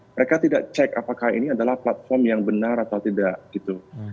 mereka tidak cek apakah ini adalah platform yang benar atau tidak gitu